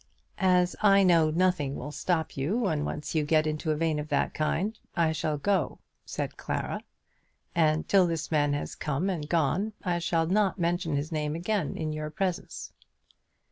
"As I know nothing will stop you when you once get into a vein of that kind, I shall go," said Clara. "And till this man has come and gone I shall not mention his name again in your presence."